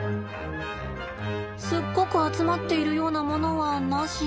すっごく集まっているようなものはなしと。